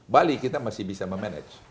bali kita masih bisa memanage